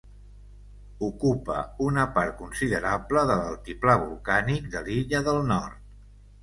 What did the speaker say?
Ocupa una part considerable de l'Altiplà Volcànic de l'Illa del Nord.